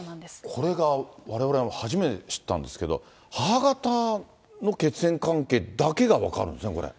これがわれわれも初めて知ったんですけど、母方の血縁関係だけが分かるんですね、これ。